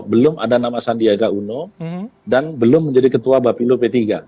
belum ada nama sandiaga uno dan belum menjadi ketua bapilo p tiga